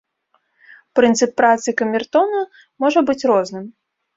Прынцып працы камертона можа быць розным.